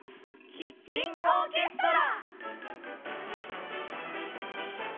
「キッチンオーケストラ」